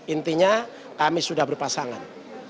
intinya kami sudah berpasangan